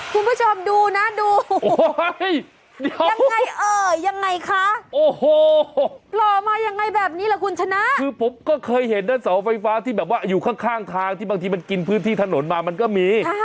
คุณผู้ชมดูนะดูโอ้โหยังไงเออยังไงคะโอ้โหหล่อมายังไงแบบนี้ล่ะคุณชนะคือผมก็เคยเห็นนะเสาไฟฟ้าที่แบบว่าอยู่ข้างข้างทางที่บางทีมันกินพื้นที่ถนนมามันก็มี